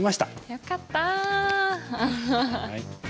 よかった！